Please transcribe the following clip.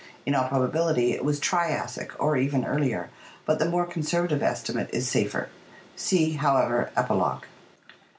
In all probability it was Triassic or even earlier, but the more conser vative estimate is safer (see, however, Epilogue).